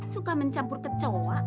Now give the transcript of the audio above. suka mencampur kecoa